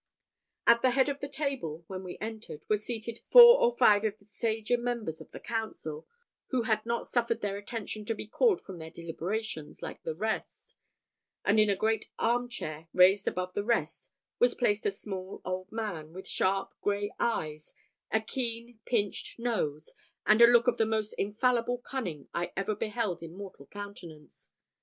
At the head of the table, when we entered, were seated four or five of the sager members of the council, who had not suffered their attention to be called from their deliberations like the rest; and in a great arm chair raised above the rest was placed a small old man, with sharp grey eyes, a keen pinched nose, and a look of the most infallible cunning I ever beheld in mortal countenance.